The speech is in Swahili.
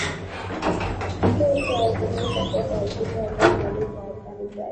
kutoa wito wa kukomeshwa kwa kampeni ambayo imeleta athari zaidi